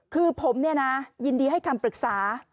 คือผมเนี่ยนะยินดีให้คำปรึกษา